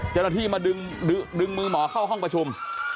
เจ้าหน้าที่มาดึงมือหมอเข้าห้องประชุม